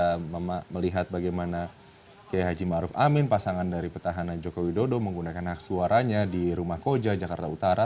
kita melihat bagaimana kiai haji maruf amin pasangan dari petahana jokowi dodo menggunakan hak suaranya di rumah koja jakarta utara